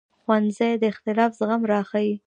ښوونځی د اختلاف زغم راښيي